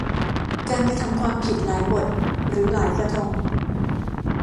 การกระทำความผิดหลายบทหรือหลายกระทง